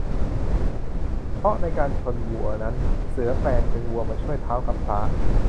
เพราะในการชนวัวนั้น เสือแปลงเป็นวัวมาช่วยท้าวกำพร้า